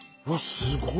すごい。